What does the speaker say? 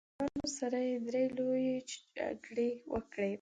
له انګریزانو سره یې درې لويې جګړې وکړې.